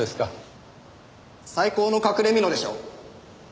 最高の隠れ蓑でしょ。